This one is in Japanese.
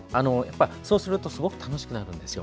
そうするとすごく楽しくなります。